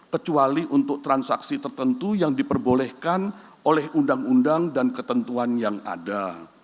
kecuali untuk transaksi tertentu yang diperbolehkan oleh undang undang dan ketentuan yang ada